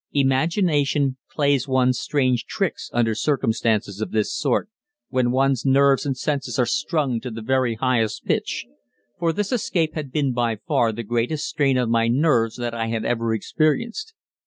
Imagination plays one strange tricks under circumstances of this sort when one's nerves and senses are strung to the very highest pitch, for this escape had been by far the greatest strain on my nerves that I had ever experienced.